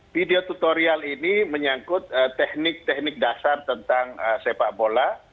video tutorial ini menyangkut teknik teknik dasar tentang sepak bola